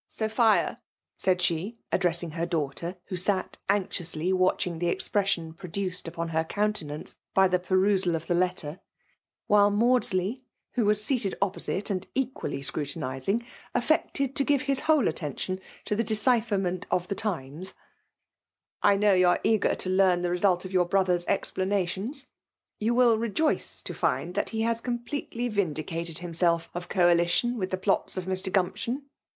" Sophia^" said she, addressing her daugh* ter, who sat anxiously watching the expresaioa produced upon her cooatenance by the pemsal of the letter ; while Maudsl^, who was seated ojqpoaite, and equally scratiniaiiig, affected to give his whole attention to the decipherment }8l^ tBUAtE P'OMINATIOV. of the ' Times '—'< I know you are eag^r to learn the result of your brother*s explanaiio|i& You will rejoice to find that he has completely' vindicated himself of coalition with the fdotdt of Mr« Gumption."